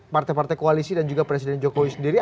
partai partai koalisi dan juga presiden jokowi sendiri